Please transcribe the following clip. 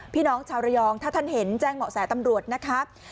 พี่น้องชาวระยองถ้าท่านเห็นแจ้งเหมาะแสตำรวจนะครับ